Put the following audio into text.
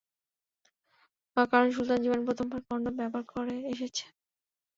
কারন সুলতান জীবনে প্রথমবার কনডম ব্যবহার করে এসেছে।